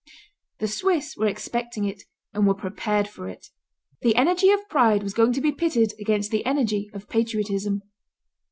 The Swiss were expecting it, and were prepared for it. The energy of pride was going to be pitted against the energy of patriotism.